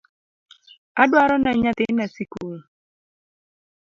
Adwarone nyathina sikul